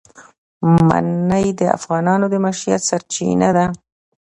منی د افغانانو د معیشت سرچینه ده.